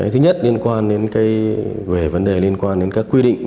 thứ nhất liên quan đến về vấn đề liên quan đến các quy định